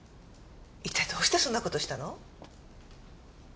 一体どうしてそんな事をしたの？